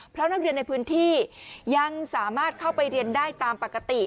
เพราะนักเรียนในพื้นที่ยังสามารถเข้าไปเรียนได้ตามปกติ